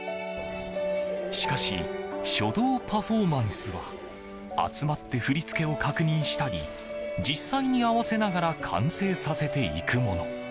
しかし書道パフォーマンスは集まって振り付けを確認したり実際に合わせながら完成させていくもの。